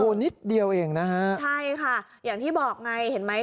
นิดเดียวเองนะฮะใช่ค่ะอย่างที่บอกไงเห็นไหม